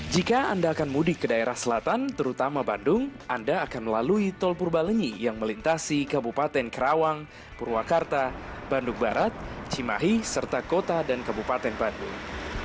jika anda akan mudik ke daerah selatan terutama bandung anda akan melalui tol purbalenyi yang melintasi kabupaten kerawang purwakarta bandung barat cimahi serta kota dan kabupaten bandung